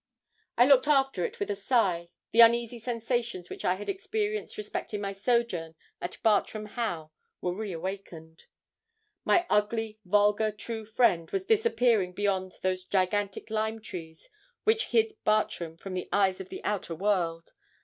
I looked after it with a sigh; the uneasy sensations which I had experienced respecting my sojourn at Bartram Haugh were re awakened. My ugly, vulgar, true friend was disappearing beyond those gigantic lime trees which hid Bartram from the eyes of the outer world.